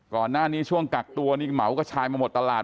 ก่อนหน้านี้ช่วงกักตัวนี่เหมากระชายมาหมดตลาด